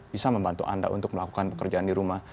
bisa membantu anda untuk melakukan pekerjaan di rumah